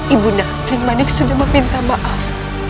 ibu nakti manik sudah meminta maaf